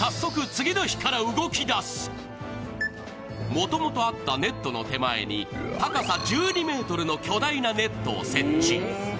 もともとあったネットの手前に高さ１２ｍの巨大なネットを設置。